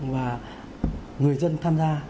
và người dân tham gia